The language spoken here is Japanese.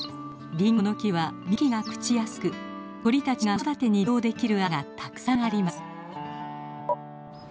リンゴの木は幹が朽ちやすく鳥たちが子育てに利用できる穴がたくさんあります。